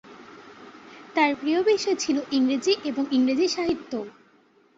তার প্রিয় বিষয় ছিল ইংরেজি এবং ইংরেজি সাহিত্য।